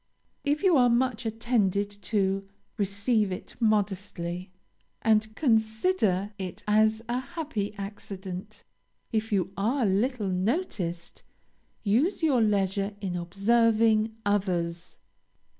If you are much attended to, receive it modestly, and consider it as a happy accident; if you are little noticed, use your leisure in observing others.